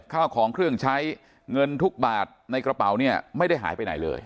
ข้าวของเครื่องใช้เงินทุกบาทในกระเป๋าเนี่ยไม่ได้หายไปไหนเลย